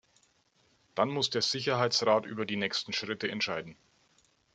Dann muss der Sicherheitsrat über die nächsten Schritte entscheiden.